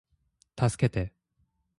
助けて